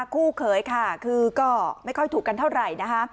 คู่เขยค่ะคือก็ไม่ค่อยถูกกันเท่าไหร่นะคะ